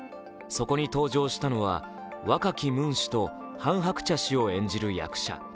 そこに登場したのは若きムン氏とハン・ハクチャ氏を演じる役者。